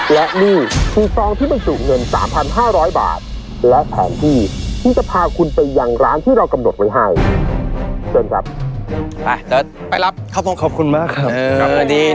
และนี่คือซองที่เป็นสูตรเงิน๓๕๐๐บาทและแผนที่ที่จะพาคุณไปยังร้านที่เรากำหนดไว้ให้